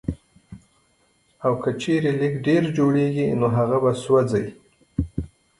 او کۀ چرې لږ ډېر جوړيږي نو هغه به سېزئ